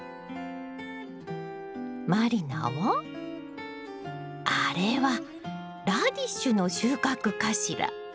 満里奈はあれはラディッシュの収穫かしら。